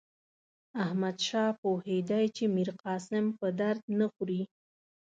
احمدشاه پوهېدی چې میرقاسم په درد نه خوري.